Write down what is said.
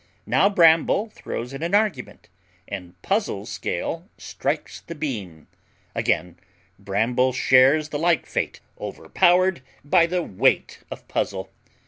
Now Bramble throws in an argument, and Puzzle's scale strikes the beam; again Bramble shares the like fate, overpowered by the weight of Puzzle.